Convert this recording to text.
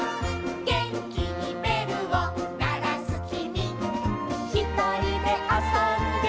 「げんきにべるをならすきみ」「ひとりであそんでいたぼくは」